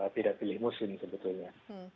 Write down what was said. tidak pilih musim sebetulnya